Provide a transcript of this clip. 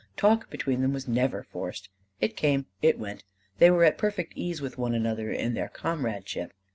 Talk between them was never forced. It came, it went: they were at perfect ease with one another in their comradeship.